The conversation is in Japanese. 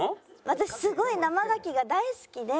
私すごい生牡蠣が大好きで。